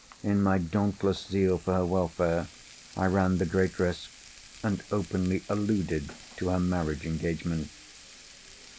In my dauntless zeal for her welfare, I ran the great risk, and openly alluded to her marriage engagement.